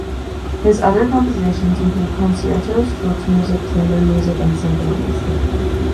His other compositions include concertos, church music, chamber music and symphonies.